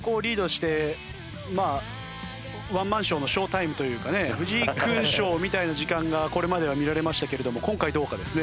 ワンマンショーのショータイムというかね藤井君ショーみたいな時間がこれまでは見られましたけれども今回どうか？ですね。